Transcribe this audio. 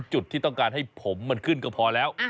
จุดที่ต้องการให้ผมมันขึ้นก็พอแล้ว